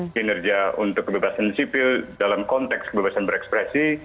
kinerja untuk kebebasan sipil dalam konteks kebebasan berekspresi